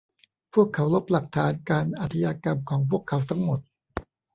พวกเขาลบหลักฐานการอาชญากรรมของพวกเขาทั้งหมด